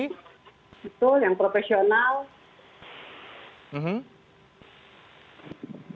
betul yang profesional